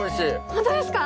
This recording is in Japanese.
ホントですか？